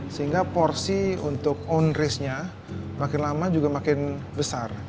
sehingga porsi untuk on race nya makin lama juga makin besar